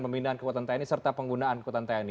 pemindahan kekuatan tni serta penggunaan kekuatan tni